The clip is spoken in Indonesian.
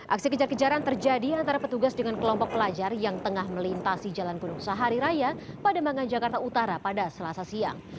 aksi kejar kejaran terjadi antara petugas dengan kelompok pelajar yang tengah melintasi jalan gunung sahari raya pada mangan jakarta utara pada selasa siang